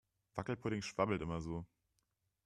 Wackelpudding schwabbelt immer so.